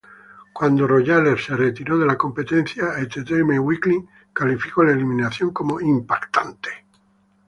Cuando Royale se retiró de la competencia, "Entertainment Weekly" calificó la eliminación como "impactante".